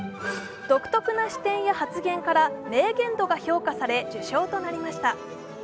独特な視点や発言から名言度が評価され受賞となりました。